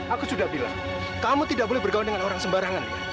aku sudah bilang kamu tidak boleh bergaul dengan orang sembarangan